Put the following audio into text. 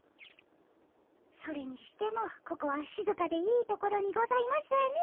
それにしてもここはしずかでいい所にございますね。